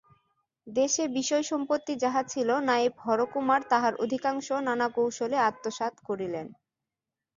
দেশে বিষয়সম্পত্তি যাহা ছিল নায়েব হরকুমার তাহার অধিকাংশ নানা কৌশলে আত্মসাৎ করিলেন।